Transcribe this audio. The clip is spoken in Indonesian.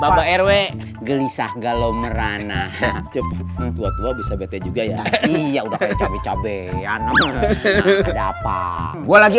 bete kenapa ya rw gelisah galomerana bisa juga ya iya udah cabai cabai apa gue lagi